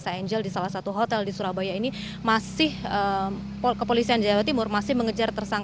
ahli bahasa ahli dari kementerian